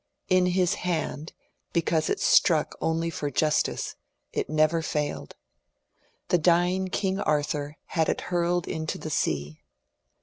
In his hand, because it struck only for justice, it never failed. The dying King Arthur had it hurled into the sea.